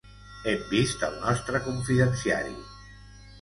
Hem vist el nostre confidenciari.